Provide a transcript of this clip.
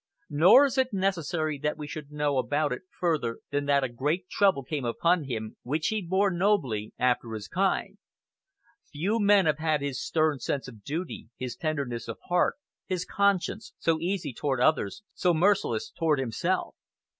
Nor is it necessary that we should know about it further than that a great trouble came upon him, which he bore nobly, after his kind. Few men have had his stern sense of duty, his tenderness of heart, his conscience, so easy toward others, so merciless toward himself.